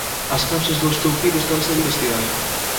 As causas do estoupido estanse a investigar.